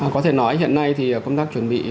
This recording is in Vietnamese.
có thể nói hiện nay thì công tác chuẩn bị